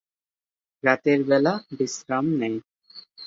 রাতের বেলা বিশ্রাম নেয়।